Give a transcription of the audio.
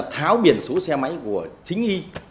tháo biển số xe máy của chính y